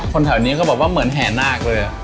แถวนี้เขาบอกว่าเหมือนแห่นาคเลย